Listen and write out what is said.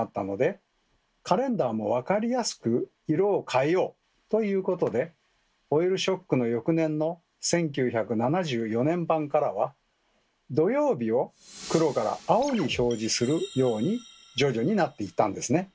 まあそんなこんなでということでオイルショックの翌年の１９７４年版からは土曜日を黒から青に表示するように徐々になっていったんですね。